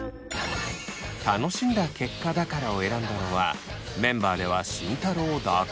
「楽しんだ結果だから」を選んだのはメンバーでは慎太郎だけ。